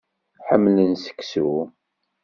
Ḥemmlen seksu.